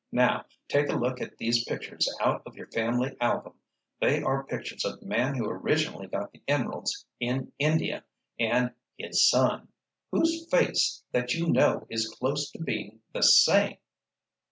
Now, take a look at these pictures out of your family album. They are pictures of the man who originally got the emeralds in India, and his son. Whose face that you know is close to being the same?"